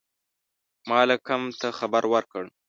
مالکم ته خبر ورکړ.